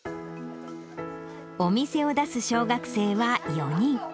お店を出す小学生は４人。